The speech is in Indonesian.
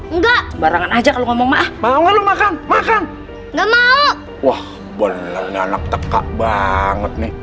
enggak barangan aja kalau ngomong maaf mau makan makan nggak mau wah bolehnya anak teka banget nih